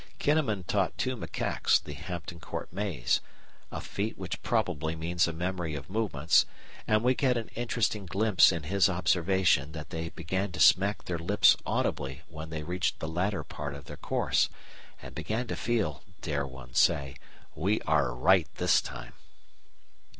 Kinnaman taught two macaques the Hampton Court Maze, a feat which probably means a memory of movements, and we get an interesting glimpse in his observation that they began to smack their lips audibly when they reached the latter part of their course, and began to feel, dare one say, "We are right this time."